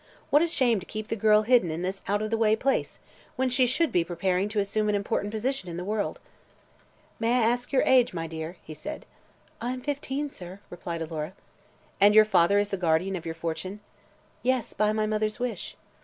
What a shame to keep the girl hidden in this out of the way place, when she should be preparing to assume an important position in the world. "May I ask your age, my dear?" he said. "I am fifteen, sir," replied Alora. "And your father is the guardian of your fortune?" "Yes; by my mother's wish."